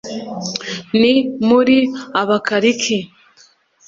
ni muri Abakaliki